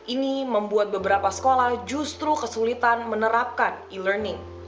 ini membuat beberapa sekolah justru kesulitan menerapkan e learning